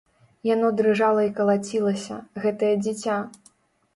Яно дрыжала і калацілася, гэтае дзіця!